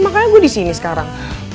makanya gue disini sekarang